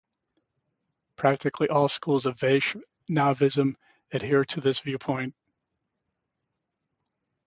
Practically all schools of Vaishnavism adhere to this viewpoint.